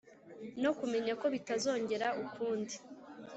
no kumenya ko bitazongera ukundi